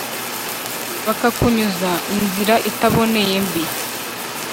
bakakunyuza inzira itaboneye mbi